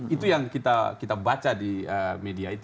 itu yang kita baca di media itu